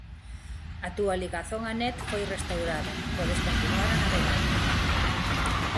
A túa ligazón á net foi restaurada, podes continuar a navegar